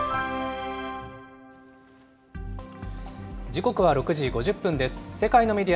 時刻は６時５０分です。